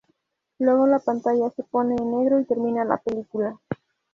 Luego la pantalla se pone en negro y termina la película.